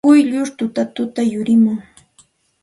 Quyllur tutatuta yurimun.